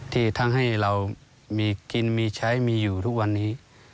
ที่ทั้งให้เรามีกินมีใช้มีอยู่ทุกวันนี้